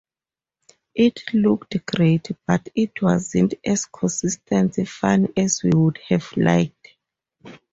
It looked great, but it wasn't as consistently funny as we would have liked.